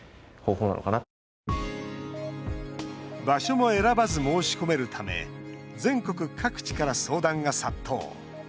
場所も選ばず申し込めるため全国各地から相談が殺到。